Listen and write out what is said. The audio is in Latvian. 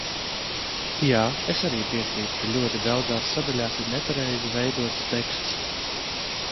Jā, es arī piekrītu, ka ļoti daudzās sadaļās ir nepareizi veidots teksts.